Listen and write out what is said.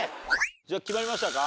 じゃあ決まりましたか？